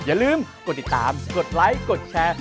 อย่าลืมกดติดตามกดไลค์กดแชร์